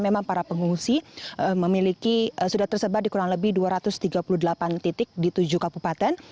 memang para pengungsi memiliki sudah tersebar di kurang lebih dua ratus tiga puluh delapan titik di tujuh kabupaten